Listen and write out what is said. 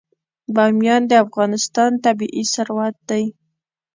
بامیان د افغانستان طبعي ثروت دی.